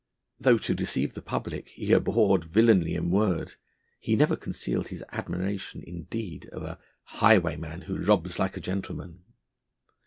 Though, to deceive the public, he abhorred villainy in word, he never concealed his admiration in deed of a 'highwayman who robs like a gentleman.'